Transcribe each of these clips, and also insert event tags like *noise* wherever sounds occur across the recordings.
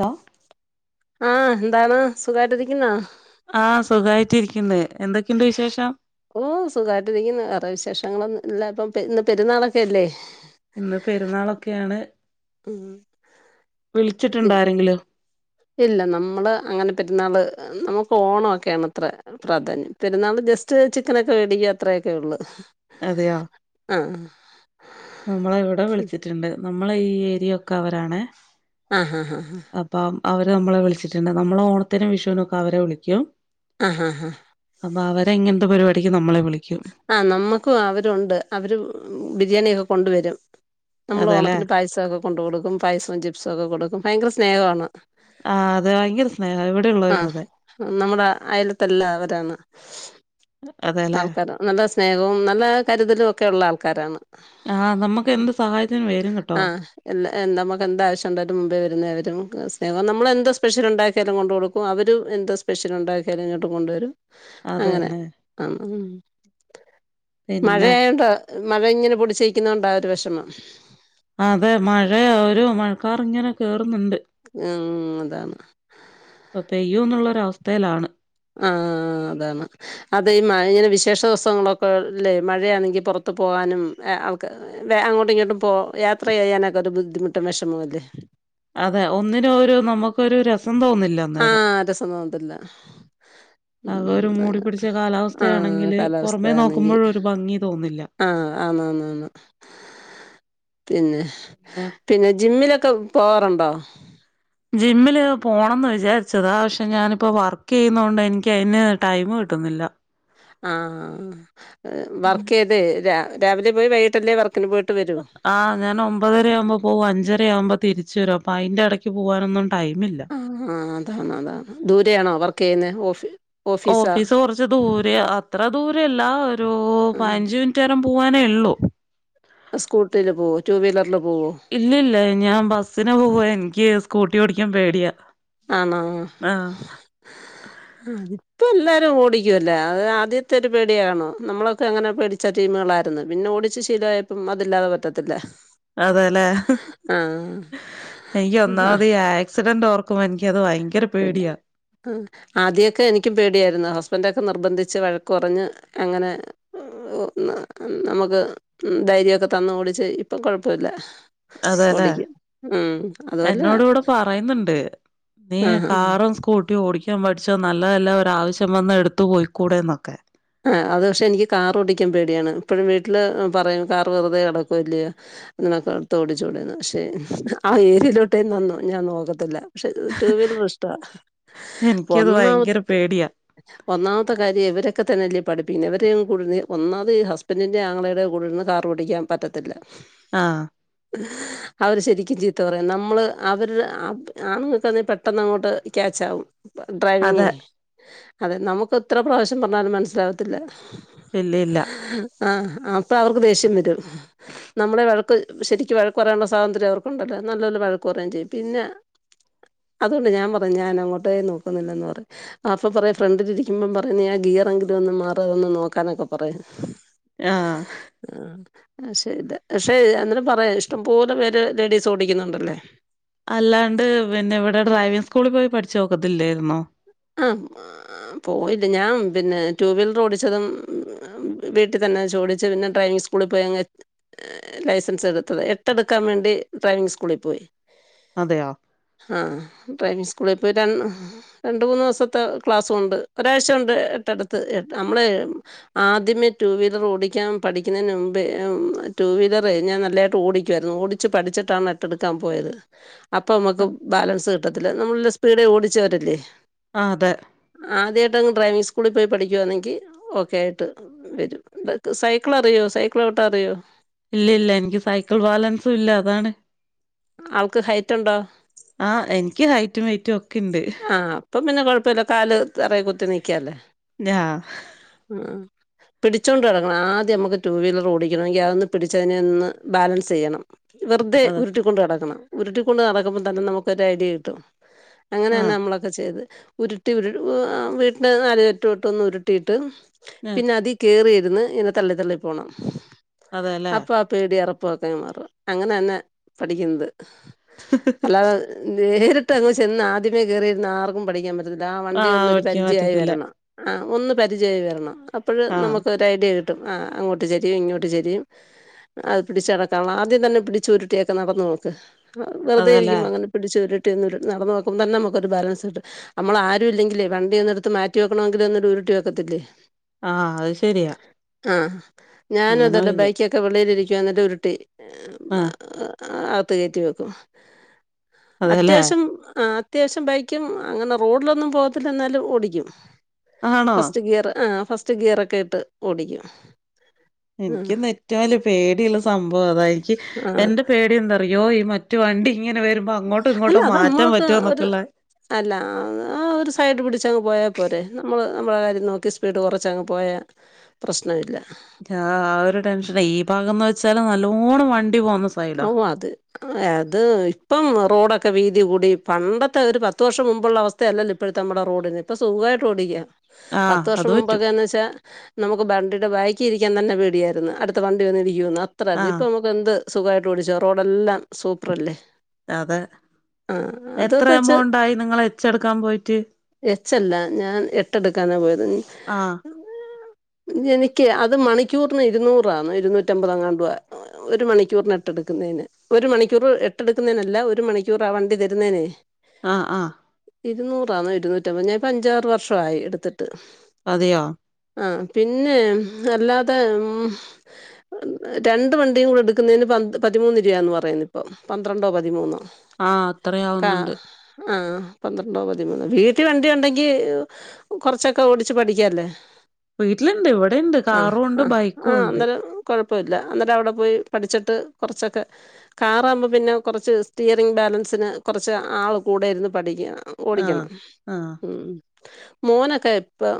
Law ആഹ് എന്താണ് സുഖായിട്ട് ഇരിക്ക്ന്നോ ആഹ് സുഖായിട്ട് ഇര്ക്ക്ണ്ട് എന്തൊക്കെണ്ട് വിശേഷം ഓഹ് സുഖായിട്ട് ഇരിക്ക്ന്ന് വെറേ വിശേഷങ്ങള് ഒന്നും ഇല്ല ഇപ്പാ ഇന്ന് പെരുന്നാളൊക്കെഅല്ലേ ഇന്ന് പെരുന്നാളാക്കേ ആണ് ഉം വിളിച്ചിട്ടുണ്ടോ ആരെങ്കിലും ഇല്ല നമ്മള് അങ്ങനെ പെരുന്നാള് നമുക്ക് ഓണോക്കെയാണത്രേ പ്രാധാന്യം പെരുന്നാള് ജസ്റ്റ് ചിക്കനൊക്കെ മേടിക്ക അത്രയൊക്കെ ഉള്ളൂ അതെയോ ആഹ് നമ്മളെ ഇവിടെ വിളിച്ചിട്ടുണ്ട് നമ്മള ഈ ഏരിയൊക്കെ അവരാണെ ആഹ് ഹാ ഹാ ഹ പാം അവര് നമ്മളെ വിളിച്ചിട്ടുണ്ട് നമ്മളെ ഓണത്തിനും വിഷുവിനൊക്കെ അവരെ വിളിക്കും അഹ് ഹ ഹ അപ്പൊ അവരെ ഇങ്ങൻത്തെ പരിപാടിക്ക് നമ്മളെ വിളിക്കും ആഹ് നമ്മക്കും അവരുണ്ട് അവര് ബിരിയാണിയൊക്കെ കൊണ്ടുവരും നമ്മള് അതെല്ലേ ഓണത്തിന് പായസൊക്കെ കൊണ്ട് കൊടുക്കും പായസോം ചിപ്സും ഒക്കെ കൊടുക്കും ഭയങ്കര സ്നേഹവാണ് ആഹ് അതെ ഭയങ്കര സ്നേഹ എവിടെയുള്ളവരും ആഹ് അതെ നമ്മുടെ അയലത്തെല്ലാം അവരാണ് അതേല്ലേ? ക്കാരം നല്ല സ്നേഹവും നല്ല കരുതലും ഒക്കെ ഉള്ള ആൾക്കാരാണ് ആഹ് നമ്മക്ക് എ എന്ത് സഹായത്തിനും വരും കേട്ടോ ആഹ് എല്ല നമുക്ക് എന്ത് ആവിശ്യ ഉണ്ടായാലും മുമ്പേ വരുന്നവരും സ്നേഹം നമ്മളെന്ത് സ്പെഷ്യലുണ്ടാക്കിയാലും കൊണ്ട് കൊടുക്കും അവർ എന്തോ സ്പെഷ്യൽ ഉണ്ടാക്കിയാലും ഇങ്ങോട്ട് കൊണ്ടുവരും അങ്ങനെ അതന്നെ ആഹ് പിന്നെ മഴയായോണ്ട മഴ ഇങ്ങനെ പൊടിച്ച് നിക്കുന്നോണ്ട ആ ഒരു വിഷമം അതെ മഴയ ഒരു മഴക്കാറിങ്ങനെ കേറുന്നുണ്ട് ഉം അതാണ് ഇപ്പൊ പെയ്യൂന്നുള്ളൊര് അവസ്ഥയിലാണ് ആഹ് അതാണ് അതെ ഈ മഴ ഇങ്ങനെ വിശേഷ ദിവസങ്ങളൊക്കെ അല്ലേ മഴയാണെങ്കി പൊത്തു പോവാനും ആൾക്ക അങ്ങോട്ടും ഇങ്ങോട്ടും പോ യാത്ര ചെയ്യാനൊക്കെ ഒരു ബുദ്ധിമുട്ടും വിഷമവുംല്ലേ? അതെ ഒന്നിനും ഒരു നമ്മക്കൊരു രസം തോന്നുന്നില്ല ആഹ് രസം തോന്നത്തില്ല ആകെ ഉം ഒരു അതെ മൂടി പിടിച്ച ആഹ് കാലാവസ്ഥയാണെങ്കില് പുറമേ കാലാവസ്ഥയാന്നെങ്കി നോക്കുമ്പോഴും ഒരു ഭംഗി തോന്നില്ല. ആഹ് ആന്ന് ആന്നാന്ന് പിന്നെ? പിന്നെ ജിമ്മിലൊക്കെ പോവാറുണ്ടോ? ജിമ്മില് പോണംന്ന് വിചാരിച്ചതാ പക്ഷെ ഞാനിപ്പോ വർക്ക് ചെയ്യുന്നോണ്ട് എനിക്ക് അതിന് ടൈം കിട്ടുന്നില്ല ആഹ് വർക്ക് ചെയ്ത് രാവിലെ പോയി വൈകിട്ടല്ലേ വർക്കിന് പോ ആഹ് ഞാൻ ഒമ്പതരയാവുമ്പോ പോ വും അഞ്ചരയാവുമ്പോ തിരിച്ച് വരും അപ്പൊ അയിന്റെ എടയ്ക്ക് പോവാനൊന്നും ടൈമില്ല ആഹ് അതാണ് അതാണ് ദൂരെയാണോ വർക്കെയ്യുന്നേ? ഓഫീ ഓഫീസാ? ഓഫീസ് കുറച്ച് ദൂരയാ അത്ര ദൂരവില്ല ഒരു ആഹ് പതിനഞ്ച് മിനിറ്റ് നേരം പൂവാനേയൊള്ളു സ്കൂട്ടീല് പോവോ ടുവീലറില് പോവോ? ഇല്ലില്ല ഞാൻ ബസ്സിനെ പോവാ എനിക്ക് സ്കൂട്ടി ഓടിക്കാൻ പേടിയാ ആണോ? ആഹ് ഇപ്പ എല്ലാരും ഓടിക്കുവല്ലോ അത് ആദ്യത്തെ ഒരു പേടി കാണും നമ്മളൊക്കെ അങ്ങനെ പേടി പേടിച്ച ടീമുകളായിരുന്നു പിന്നെ ഓടിച്ച് ശീലവായപ്പം അതില്ലാതെ പറ്റത്തില്ല അതേല്ലേ? ആഹ് എനിക്ക് ഒന്നാമത് ഈ ആക്സിഡന്റ് ഓർ ക്കുമ്പോ എനിക്കത് ഭയങ്കര പേടിയാ ആഹ് ആദ്യയക്കെ എനിക്കും പേടിയായിരുന്നു ഹസ്ബൻഡ് ഒക്കെ നിർബന്ധിച്ച് വഴക്ക് പറഞ്ഞ് അങ്ങനെ ഒന്ന് നമുക്ക് ധൈര്യൊക്കെ തന്ന് ഓടിച്ച് ഇപ്പം കൊഴപ്പവില്ല അതെല്ലേ ഓടിക്കും ഉം അതുപോലെ പറയ്ന്നുണ്ട് നീ ആഹാ കാറും സ്കൂ ട്ടിയും ഓടിക്കാൻ പഠിച്ചോ നല്ലതല്ലേ ഒരു ആവിശ്യം വന്ന എടുത്ത് പോയ്ക്കൂടെന്നൊക്കെ ആഹ് അത് പക്ഷെ എനിക്ക് കാറ് ഓടിക്കാൻ പേടിയാണ് ഇപ്പഴും വീട്ടില് പറയും കാറ് വെറുതെ കിടക്കുവല്ലയോ നിനക്ക് അതെടുത്ത് ഓടിച്ചൂടേന്ന് പക്ഷെ ആ ഏരിയയിലോട്ടേ ഞാൻ ഞാൻ നോക്കത്തില്ല പക്ഷെ ടു വീലർ ഇഷ്ട്ടവ എനിക്കത് ഒന്നാമത് ഭയങ്കര പേടിയാ ഒന്നാമത്തെ കാര്യം ഇവരെ ക്കെ തന്നെയല്ലേ പഠിപ്പിക്കുന്നെ ഇവരേയൊന്നും കൂടിയിര്ന്ന് ഒന്നാമത് ഹസ്ബൻഡിന്റെ ആങ്ങളയുടെ കൂടെയിര്ന്ന് കാറോടിക്കാൻ പറ്റത്തില്ല ആഹ് ഉ *unintelligible* അവര് ശരിക്കും ചീത്ത പറയും നമ്മള് അവരു ആണുങ്ങക്കാന്നേ പെട്ടെന്ന് അങ്ങോട്ട് ക്യാച്ച് ആകും ഡ്രൈവിംങ്ങേ അതെ അതെ നമുക്ക് എത്ര പ്രാവശ്യം പറഞ്ഞാലും മനസ്സിലാവത്തില്ല ഇല്ല ഇല്ല ആഹ് അപ്പം അവർക്ക് ദേഷ്യം വരും നമ്മളെ വഴക്ക് ശരിക്കും വഴക്ക് പറയാനുള്ള സ്വാതന്ത്ര്യം അവർക്കുണ്ടല്ലോ നല്ലപോലെ വഴക്ക് പറയുകയും ചെയ്യും പിന്നെ ആ *inaudible* അതുകൊണ്ട് ഞാൻ പറയും ഞാനങ്ങോട്ടേ നോക്കുന്നില്ലന്ന് പറേം അപ്പ പറേം ഫ്രണ്ടിലിരിക്കുമ്പം പറയുന്ന ഞാ ഗിയറെങ്കിലും ഒന്ന് മാറ് അതൊന്ന് നോക്കാനൊക്കെ പറേം ആഹ് ആഹ് അഹ് ശരി പക്ഷെ അന്നേരം പറയാം ഇഷ്ടം പോലെ പേര് ലേഡീസ് ഓടിക്കുന്നുണ്ടല്ലേ അല്ലാണ്ട് പിന്നെ ഇവിടെ ഡ്രൈവിങ് സ്കൂളിൽ പോയി പഠിച്ച് നോക്കത്തില്ലായിരുന്നോ ആഹ് പോയില്ല ഞാൻ പിന്നെ ടൂ വീലർ ഓടിച്ചതും വീട്ടിൽ തന്നെ വെച്ചോടിച്ച് പിന്നെ ഡ്രൈവിങ് സ്കൂളിൽ പോയങ്‌ ഏഹ് ലൈസൻസ് എടുത്തത് എട്ടെടുക്കാൻ വേണ്ടി ഡ്രൈവിംങ് സ്കൂളിൽ പോയി അതെയോ ആഹ് ഡ്രൈവിംങ് സ്കൂളി പോയി രണ്ട് രണ്ട് മൂന്ന് ദിവസത്തെ ക്ലാസ്സൊണ്ട് ഒരാഴ്ച്ച കൊണ്ട് എട്ട് എടുത്ത് നമ്മളെ ആദ്യമേ ടു വീലർ ഓടിക്കാൻ പഠിക്കുന്നതിന് മുമ്പേ ടു വീലറേ ഞാൻ നല്ലതായിട്ട് ഓടിക്കും ആയിരുന്നു ഓടി ച്ചു പഠിച്ചിട്ടാണ് എട്ടെടുക്കാൻ പോയത് അപ്പം അമ്മക്ക് ബാലൻസ് കിട്ടത്തില്ല നമ്മളില്ല സ്പീടിലോടിച്ചവരല്ലേ ആഹ് അതെ ആദ്യായിട്ട് അങ്ങ് ഡ്രൈവിംഗ് സ്കൂളിൽ പോയി പഠിക്കുവാന്നെങ്കിൽ ഓക്കെ ആയിട്ട് വരും സൈക്കിൾ അറിയോ സൈക്കിളു ചവിട്ടാൻ അറിയോ ഇല്ലില്ല എനിക്ക് സൈക്കിൾ ബാലൻസും ഇല്ല അതാണ് ആൾക്ക് ഹൈറ്റ് ഉണ്ടോ ആഹ് എനിക്ക് ഹൈറ്റും വൈയ്റ്റും ഒക്കെ ഇണ്ട് ഇപ്പം പിന്നെ കൊഴപ്പമില്ല കാല് തറേ കുത്തി നിക്കാല്ലോ ഞാഹ് ആഹ് പിടിച്ചോണ്ട് നടക്കണം ആദ്യം നമുക്ക് ടൂ വീലർ ഓടിക്കണമെങ്കി അതൊന്ന് പിടിച്ച് അതിനെ ഒന്ന് ബാലൻസ് ചെയ്യണം വെറുതെ അതെ ഉരുട്ടിക്കൊണ്ട് നടക്കണം ഉരുട്ടിക്കൊണ്ട് നടക്കുമ്പം തന്നെ നമുക്കൊരു ഐഡിയ കിട്ടും അങ്ങനെ തന്നാ ആഹ് നമ്മളൊക്കെ ചെയ്തെ ഉരുട്ടി ഉരു ആഹ് വീട്ടിയ് ന് നാലറ്റുമട്ടൊന്ന് ഉരുട്ടിയിട്ട് പിന്നെ അതി കേയറിയിരുന്ന് ഇങ്ങനെ തള്ളി തള്ളി പോണം അതെല്ലേ അപ്പം പേടിയും അറപ്പും ഒക്കെ അങ്ങ് മാറും അങ്ങനെ തന്നെ പഠിക്കുന്നത് അല്ലാതെ നേരിട്ട് അങ്ങ് ചെന്ന് ആദ്യമേ കേറിയിരുന്നാ ആർക്കും പഠിക്കാൻ പറ്റി റ്റത്തില്ല ആഹ് വണ്ടി ഒന്ന് ഒരു ഓടിക്കാൻ പരിചയം ആയി പറ്റത്തില്ല വരണം ആഹ് ഒന്നു പരിചയം ആയി വരണം അപ്പഴ് ആഹ് നമുക്ക് ഒരു ഐഡിയ കിട്ടും ആഹ് അങ്ങോട്ട് ചെരിയും ഇങ്ങോട്ട് ചെരിയും അത് പിടിച്ചെറക്കാനുള്ള ആദ്യം തന്നെ പിടിച്ചു ഉരുട്ടിയൊക്കെ നടന്നു നോക്ക് വെറുതെ അതല്ലേ ഇരികുമ്പം അങ്ങനെ പിടിച്ചുരുട്ടി എന്ന നടുന്നു നോക്കുമ്പം തന്നെ നമുക്കൊരു ബാലൻസ് കിട്ടും നമ്മള് ആരുമില്ലങ്കിലേ വണ്ടി ഒന്നെടുത്ത് മാറ്റി വെക്കണമെങ്കിൽ ഒന്നുരുട്ടി വെക്കത്തില്ലേ ആഹ് അത് ശരിയാ ആഹ് ഞാനും അതല്ലേ ബൈക്കൊക്കെ വെളീൽ ഇരിക്കുവ എന്നിട്ടുരുട്ടി ആഹ് അകത്ത് കയറ്റി വെക്കും അതേല്ലേ അത്യാവശ്യം ആ അത്യാവശ്യം ബൈക്കും അങ്ങനെ റോഡിലൊന്നും പോകത്തില്ലന്നാലും ഓടിക്കും. ആണോ ഫസ്റ്റ് ഗിയർ ആഹ് ഫസ്റ്റ് ഗിയറൊക്കെ ഇട്ട് ഓടിക്ക എനിക്ക് *unintelligible* പേടിള്ള സംഭവം അതാ എനിക്ക് ആ എന്റെ പേടി എന്താറിയോ ഈ മ മറ്റ് വണ്ടി ഇങ്ങനെ വരുമ്പോ അങ്ങോട്ടും ഇങ്ങോട്ടും മാറ്റാൻ നമ്മൾക്ക് ഒരു പറ്റോന്നൊക്കെള്ള അല്ല അത് ആ ഒരു സൈഡ് പിട്ച്ചങ്ങ് പോയാ പോരെ നമ്മള് നമ്മളെ കാര്യം നോക്കി സ്പീഡ് കൊറച്ചങ്ങ് പോയാ പ്രശ്നം ഇല്ല്യ. ആഹ് ആ ഒരു ടെൻഷന് ഈ ഭാഗംന്ന് വെച്ചാല് നല്ലോണം വണ്ടി പോക്ന്ന സ് ഔ അത് അത് ഇപ്പം റോഡൊക്കെ വീതി കൂടി പണ്ടത്തെ ഒര് പത്ത് വർഷം മുമ്പ്ള്ള അവസ് ത്ത അല്ലല്ലോ ഇപ്പഴത്തെ നമ്മടെ റോഡിന് ഇപ്പൊ സുഖായിട്ട് ഓടിക്കാം ആഹ് പത്ത് വർഷം അത് പറ്റും മുമ്പൊക്കെന്ന് വെച്ചാ നമുക്ക് വണ്ടീടെ ബേക്ക്ലിര്ക്കാൻ തന്നെ പേടിയായിരുന്നു അടുത്ത വണ്ടി വന്ന് ഇടിക്കോന്ന് അത്ര ആഹ് ഇതിപ്പൊ നമുക്ക് എന്ത് സുഖായിട്ട് ഓടിച്ചോ റോഡെല്ലാം സൂപ്പറല്ലേ. അതെ ആ എത്ര അതൊക്കെ വെച്ച് എമൗണ്ടായി നിങ്ങള് എച്ചെട്ക്കാം പോയിട്ട് എച്ചല്ല ഞാൻ എട്ടെട്ക്കാനാ പോയത് ആഹ് എനിക്ക് അത് മണിക്കൂറിന് ഇരുന്നൂറാന്ന് ഇര്ന്നൂറ്റമ്പതോ എങ്ങാണ്ടൊ *unintelligible* ഒര് മണി ക്കൂറിന് എട്ടെട്ക്കുന്നേന് ഒരു മണിക്കൂർ എട്ടെട്ക്കുന്നേനല്ല ഒരു മണിക്കൂറ് ആ വണ്ടി തരുന്നേനെ ആഹ് ആഹ് ഇരുന്നൂറാന്നോ ഇരുന്നൂറ്റമ്പത് ഞാനിപ്പൊ അഞ്ചാറ് വർഷായി ഇട്ത്തിട്ട്. അതെയോ ആഹ് പിന്നെ അല്ലാതെ ഉം രണ്ട് വണ്ടിം കൂടെട് ക്കുന്നേന് പത് പതിമൂന്ന് രൂപാന്ന് പറയ്ന്ന് ഇപ്പം പന്ത്രണ്ടോ പതിമൂന്നോ ആഹ് കാ അത്രയാവുന്നുണ്ട് ആഹ് പന്ത്രണ്ടോ പതിമൂന്നോ വീട്ട് വണ്ടി ഉണ്ടെങ്കി കൊറച്ചൊക്കെ ഓടിച്ച് പഠിക്ക്യാല്ലേ വീട്ടിലുണ്ട് ഇവിടെണ്ട് ആഹ് കാറും ഉണ്ട് ആഹ് ബൈക്കും ആഹ് ഉണ്ട് അന്നേരം കൊഴപ്പല്ല അന്നേരം അവിടെ പോയി. പഠ്ച്ചിട്ട് കൊറ്ച്ചൊക്കെ കാറാകുമ്പോ പിന്നെ കൊറച്ച് സ്റ്റിയറിങ് ബാലൻസിന് കൊറച്ച് ആള് കൂടെയിര്ന്ന് പഠിക്കാം. ആഹ് ഓടിക്കണം ആഹ് ഉം മോനൊക്കെ ഇപ്പം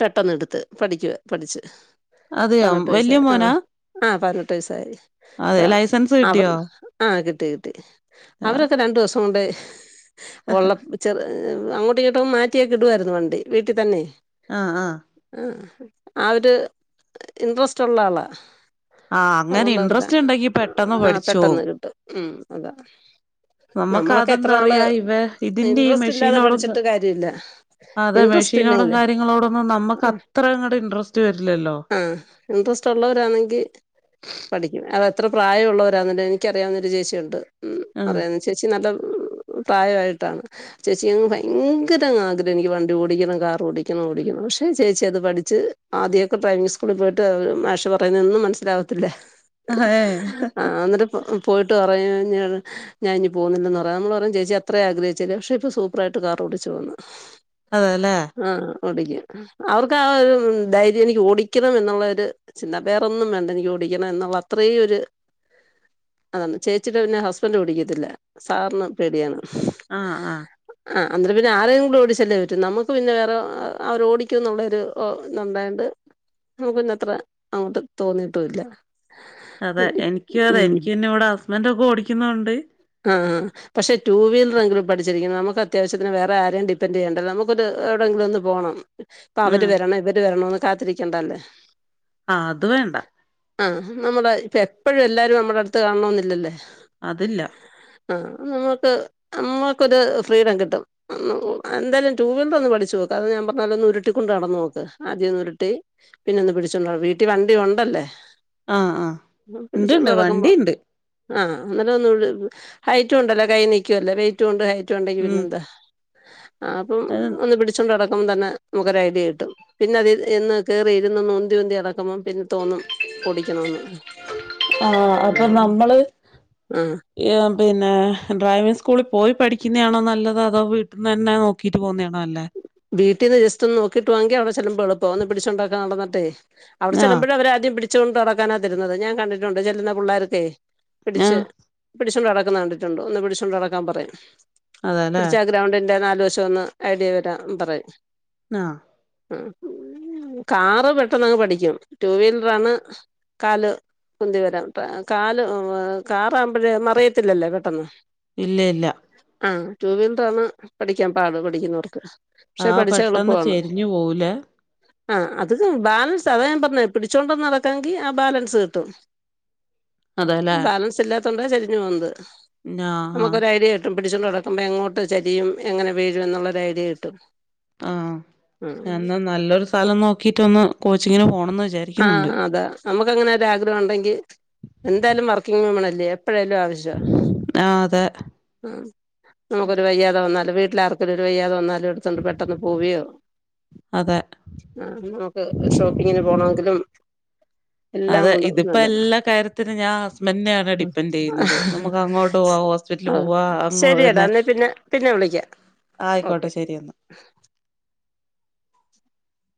പെട്ടന്നെട്ത്ത് പഠിക്ക പഠിച്ച്. അതെയോ വെല്ല്യ മോനാ ആഹ് പതിനെട്ട് വയസ്സായി അതെ ആഹ് ലൈസൻസ് അവർ കിട്ടിയോ ആഹ് കിട്ടി കിട്ടി. ആഹ് അവരൊക്കെ രണ്ട് ദിവസം കൊണ്ട് ആഹ് *unintelligible* ചെറ് അങ്ങോട്ടിങ്ങോട്ടും മാറ്റിയൊക്കെ ഇടുവായിരുന്നു വണ്ടി വീട്ടിത്തെന്നെ. ആഹ് ആഹ് ആഹ് ആ ഒരര് ഇൻട്രസ്റ്റുള്ള ആളാ ആഹ് അങ്ങനെ അതുകൊണ്ട് അവർക്ക് ഇൻട്രസ്റ്റ് ഇണ്ടെങ്കി പെട്ടെന്ന് ആ പഠിച്ചോവും. പെട്ടെന്ന് കിട്ടും ഉം അതാ നമ്മക്ക് നമ്മളൊക്കെ എത്ര നാള് അതെന്താറിയാ ഇവ ഇതിന്റെ ഈ ഇൻട്രസ്റ്റ് ഇല്ലാതെ മെഷീനോടൊക്ക പഠിച്ചിട്ട് കാര്യമില്ല അതെ ഇൻട്രസ്റ്റ് മെഷീനോടും ഇല്ലെങ്കിൽ കാര്യങ്ങളോടൊന്നും നമ്മക്ക് അത്ര അങ്ങട്ട് ഇൻട്രസ്റ്റ് വരൂലല്ലോ. ആഹ് ഇൻട്രസ്റ്റുള്ളവരാണെങ്കി പഠിക്കും അതെത്ര പ്രായം ഉള്ളവരാന്ന്ണ്ടെങ്കി എനിക്കറിയാവ്ന്നൊരു ചേച്ചിയുണ്ട് അറിയാവുന്ന ചേച്ചി നല്ല പ്രായ ആയിട്ടാണ് ചേച്ചിക്കങ് ഭയങ്കരങ് ആഗ്രഹം എനിക്ക് വണ്ടി ഓടിക്കണം കാറ് ഓടിക്കണം ഓടിക്കണം പക്ഷെ ചേച്ചി അത് പഠിച്ച് ആദ്യൊക്കെ ഡ്രൈവിംഗ് സ്കൂളി പോയിട്ട് മാഷ് പറയുന്നതൊന്നും മനസ്സിലാവ ത്തില്ല ആഹ് ഏഹ് ആഹ് ഇന്നെട്ട് പോയിട്ട് പറയും ഞാ ഞാഇഞ്ഞ് പോവുന്നില്ലെന്ന് പറ നമ്മൾ പറയും ചേച്ചി അത്ര ആഗ്രഹിച്ചല്ലേ പക്ഷേ ഇപ്പോ സൂ പ്പറായിട്ട് കാറോടിച്ചു പോന്ന്. അതെലേ. ആഹ് ഓടിക്കും. അവർക്ക് ആ ഒരു ധൈര്യം എനിക്ക് ഓടിക്കണം എന്നുള്ള ഒര് ചിന്ത വേറൊന്നും വേണ്ട എനിക്ക് ഓ ടിക്കണം എന്നുള്ള അത്രേ ഒര് ആണ് ചേച്ചിടെ പിന്നെ ഹസ്ബന്റ് ഓടിക്കത്തില്ല സാറിന് പേടിയാണ്. ആഹ് ആഹ്. ആ അന്നേരം പിന്നെ ആരെങ്കിലും ഓടിച്ചെല്ലേ പറ്റു നമുക്ക് പിന്നെ വേറെ അവർ ഓടിക്കും എന്നുള്ളരു ഓ ഇന്നണ്ടായോണ്ട് നമുക്ക ഇന്നത്ര അങ്ങോട്ട് തോന്നിട്ടുല്ല. അതെ എനിക്കും അതെ എനിക്ക് പിന്നെ ഇവിടെ ഹസ്ബന്റൊക്കെ ഓടിക്കുന്നോണ്ട് ആഹ് ആഹ്. പക്ഷേ ടു വീലറെങ്കിലും പഠിച്ചിരിക്കണം നമുക്ക് അത്യാവശ്യത്തിന് വേറെ ആരെയും ഡിപൻഡ് ചെയ്യണ്ട നമുക്ക് ഒരു എവിടെയങ്കിലും ഒന്ന് പോണം. ഇപ്പൊ അവര് ആഹ് വരണം ഇവര് വരണന്ന് കാത്തിരിക്കേണ്ടല്ല. ആഹ് അത് വേണ്ട. ആഹ് നമ്മളെ ഇപ്പ എപ്പഴും എല്ലാരും നമ്മടെ അട്ത്ത് കാണണൊന്നില്ലല്ലേ. അതില്ല ആഹ് നമുക്ക് നമ്മക്കൊരു ഫ്രീഡം കിട്ടും. എന്തായാലും ടൂ വീലർ ഒന്ന് പഠിച്ചു നോക്ക് അത് ഞാൻ പർഞ്ഞോ ലൊന്ന് ഉരുട്ടി കൊണ്ട് നടന്ന് നോക്ക് ആദ്യം ഒന്ന് ഉരുട്ടി പിന്നെ ഒന്ന് പിടിച്ചോണ്ടും വീട്ടി വണ്ടി ഉണ്ടല്ലേ? ആഹ് ആഹ് പിടിച്ചോണ്ട് ഉണ്ട്ണ്ട് നടക്കുമ്പോ വണ്ടിണ്ട്. ആഹ് ന്നിട്ട് ഒന്ന ഹൈറ്റും ഉണ്ടല്ലോ കൈ നിക്കുവല്ലേ വെയ്റ്റും ഉണ്ട് ഹൈറ്റ് ഉണ്ടെങ്കി ഉം പിന്നെന്താ. ആഹ് അപ്പം അത് ഒന്ന് പിടിച്ചോണ്ട് നടക്കുമ്പം തന്നെ നമുക്ക് ഒരു ഐ ഡ്യ കിട്ടും. പിന്നെ അത് എന്ന് കേറി ഇരുന്ന് ഉന്തി ഉന്തി നടക്കുമ്പോപിന്നെ തോന്നും. ഓടിക്കണന്ന് ആഹ് അപ്പൊ നമ്മള് ആഹ് ഏഹ് പിന്നെ ഡ്രൈവിങ് സ്കൂളി പോയി പഠിക്ക്യുന്നണോ നല്ലത് അതോ വീട്ടിന്നെന്നെ നോക്കിട്ട് പോവുന്നേണോ നല്ലേ? വീട്ടീന്ന് ജസ്റ്റ് ഒന്ന് നോക്കിട്ട് വാങ്കി അവിടെ ചെല്ലുമ്പോ എളുപ്പാവും ഒന്ന് പിടിച്ചോണ്ടാക്കെ നടന്നിട്ടേ. അവടെ ആഹ് ചെല്ല്മ്പഴ് അവരെ ആദ്യം പിടിച്ചു കൊണ്ട് നടക്കാനാ തര്ന്നത് ഞാൻ കണ്ടിട്ടുണ്ട് ചെല്ലുന്ന പുള്ളേരൊക്കെ. പിടിച്ച് ആഹ് പിടിച്ചുണ്ട് നടക്കുന്ന കണ്ടിട്ടുണ്ട് ഒന്ന് പിടിച്ചോണ്ട് നടക്കാൻ പറയും അതെല്ലേ പിടിച്ചാ ഗ്രൗണ്ടിന്റെ നാല് വശം ഒന്ന് ഐഡിയ വരാ പറയും. ആഹ് ഉം കാറ് പെട്ടെന്ന് അങ്ങ് പഠിക്കും ടു വീലറാണ്. കാല് ഉന്തി വരാം കാല് കാറാവുമ്പഴേ മറിയത്തില്ലല്ലോ പെട്ടെന്ന്. ഇല്ല ഇല്ല. ആഹ് ടൂവീലർ ആണ് പഠിക്ക്യാൻ പാട് പഠിക്ക്യുന്നവർക്ക്. പക്ഷെ ആഹ് പഠിച്ചാ പെട്ടെന്ന് എളുപ്പവാണ്. ചെരിഞ്ഞു പോവൂലേ ആഹ് അത് ബാലൻസ് അതാ ഞാൻ പർഞ്ഞെ പിടിച്ചോണ്ടന്ന് നടക്കാങ്കി ആ ബാലൻസ് കിട്ടും. അതെല്ലേ ബാലൻസ് ഇല്ലാത്തോണ്ട ചെരിഞ്ഞു പോവുന്നത് ആഹ് ആഹ് നമുക്കൊരു ഐഡിയ പിടിച്ചുണ്ട് നടക്കുമ്പോ എങ്ങോട്ട് ചെരിയും എങ്ങനെ വീഴും എന്നുള്ളൊരു ഐഡിയ കിട്ടും. ആഹ് ഉം ഞാന്ന് നല്ലൊരു സ്ഥലം നോക്കിട്ട് ഒന്ന് കോച്ചിങ്ങിന് പോണംന്ന് വിചാ ആഹ് അതാ നമുക്ക് അങ്ങനെ ഒരു ആഗ്രഹം ഉണ്ടെങ്കി എന്തായാലും വർക്കിംഗ് വിമണല്ലേ എപ്പഴായാലും ആവശ്യ ആഹ് അതെ. ഉം നമുക്ക് ഒരു വയ്യാതെ വന്നാലും വീട്ടിലാർക്കും ഒരു വയ്യാതെ വന്നാലും തോണ്ട് പെട്ടെന്ന് പോവ്യോ അതെ നമുക്ക് ഷോപ്പിങ്ങിന് പോണോ തിലും അതെ ഇതിപ്പോ എല്ലാ കാര്യത്തിനും ഞാൻ ഹസ്ബൻഡിനെയാണ് ഡിപ്പെന്റ് ചെയ്യുന്നത് നമുക്ക് അങ്ങോട്ട് പോവ ഹോസ് ഹോസ്പിറ്റലി ആഹ് പോവാ അങ്ങോ ശരിയെടാ പിന്നെ എന്നാ പിന്നെ വിളിക്കാം ഓക്കെ ആയിക്കോട്ടെ ശരി എന്നാ.